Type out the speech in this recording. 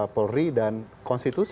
polri dan konstitusi